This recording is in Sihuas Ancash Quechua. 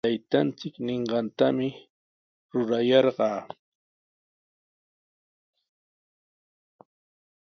Taytanchik ninqantami rurayarqaa.